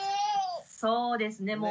そうですね。